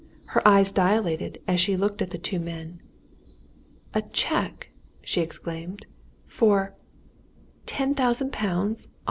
Her eyes dilated as she looked at the two men. "A cheque!" she exclaimed. "For ten thousand pounds.